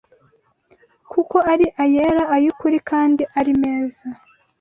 kuko ari ayera, ay’ukuri, kandi ari meza